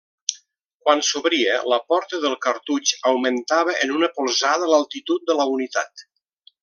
Quan s'obria, la porta del cartutx augmentava en una polzada l'altitud de la unitat.